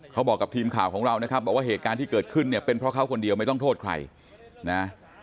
เขาบอกกับทีมข่าวของเรานะครับบอกว่าเหตุการณ์ที่เกิดขึ้นเนี่ยเป็นเพราะเขาคนเดียวไม่ต้องโทษใครนะ